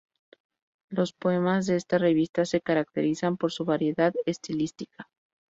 Los poemas de esta revista se caracterizan por su variedad estilística.